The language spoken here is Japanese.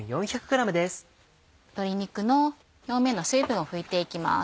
鶏肉の表面の水分を拭いていきます。